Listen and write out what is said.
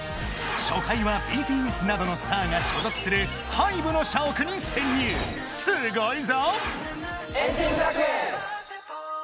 初回はＢＴＳなどのスターが所属するＨＹＢＥの社屋に潜入すごいぞ！